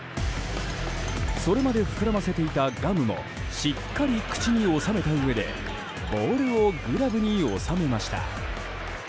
それまで膨らませていたガムもしっかり口に収めたうえでボールをグラブに収めました。